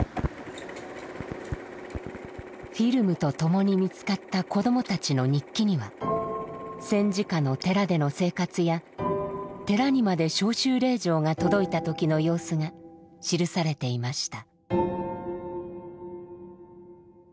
フィルムとともに見つかった子どもたちの日記には戦時下の寺での生活や寺にまで召集令状が届いた時の様子が記されていました。